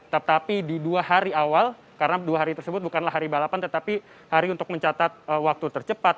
tetapi di dua hari awal karena dua hari tersebut bukanlah hari balapan tetapi hari untuk mencatat waktu tercepat